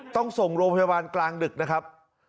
ต้องส่งโรงพยาบาลกลางดึกนะครับ